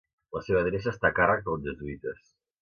La seva adreça està a càrrec dels jesuïtes.